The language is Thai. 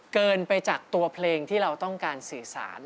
เกินไปจากตัวเพลงที่เราต้องการสื่อสาร